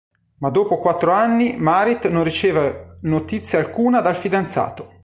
Ma dopo quattro anni Marit non riceve notizia alcuna dal fidanzato.